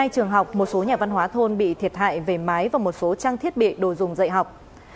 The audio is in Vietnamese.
một mươi trường học một số nhà văn hóa thôn bị thiệt hại về mái và một số trang thiết bị đồ dùng dạy học